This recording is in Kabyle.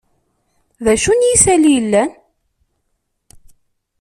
D acu n yisali yellan?